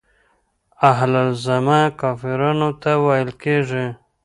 اهل الذمه کافرانو ته ويل کيږي.